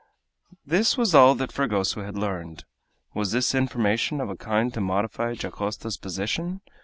This was all that Fragoso had learned. Was this information of a kind to modify Dacosta's position?